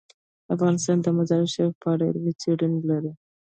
افغانستان د مزارشریف په اړه علمي څېړنې لري.